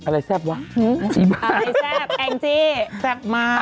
อะไรแซ่บวะจริงป่ะอะไรแซ่บแอ้งจี้แซ่บมาก